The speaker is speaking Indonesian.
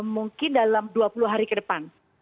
mungkin dalam dua puluh hari ke depan